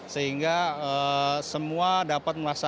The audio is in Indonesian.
sehingga semua dapat melaksanakan